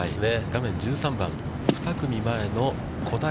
画面１３番、２組前の小平。